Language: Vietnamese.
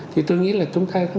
thì tôi nghĩ là chúng ta